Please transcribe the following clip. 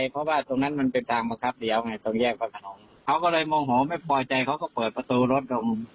ก็เลยโมโหไม่ปล่อยใจเขาก็เปิดประตูรถกับผม